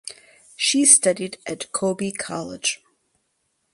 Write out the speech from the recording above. She studied at Kobe College.